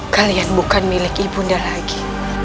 kalian bukan milik ibunda lagi